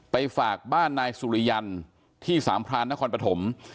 ฝากบ้านนายสุริยันที่สามพรานนครปฐม